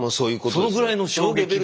そのぐらいの衝撃で。